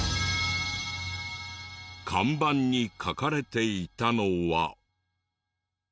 看板に書かれていたのは。